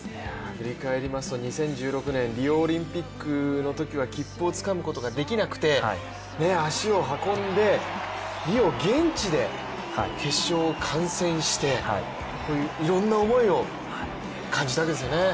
振り返りますと２０１６年リオオリンピックのときは切符をつかむことができなくて、足を運んでリオ、現地で決勝を観戦してという、いろんな思いを感じたわけですよね。